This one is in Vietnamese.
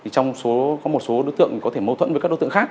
trong một số đối tượng có thể mâu thuẫn với các đối tượng